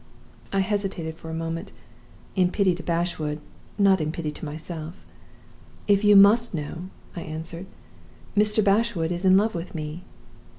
"I hesitated for a moment in pity to Bashwood, not in pity to myself. 'If you must know,' I answered, 'Mr. Bashwood is in love with me.